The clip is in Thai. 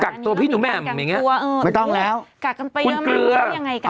ตัวพี่หนูแหม่มอย่างเงี้ยไม่ต้องแล้วกักกันไปยังไงกันอะไรอย่างเงี้ย